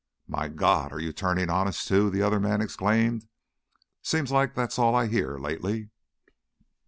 "My God! Are you turning honest, too?" the other man exclaimed. "Seems like that's all I hear lately."